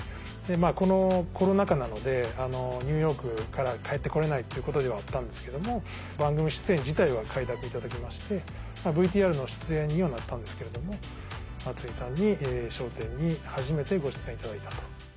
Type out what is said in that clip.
このコロナ禍なのでニューヨークから帰って来れないっていうことではあったんですけども番組出演自体は快諾いただきましてＶＴＲの出演にはなったんですけれども松井さんに『笑点』に初めてご出演いただいたと。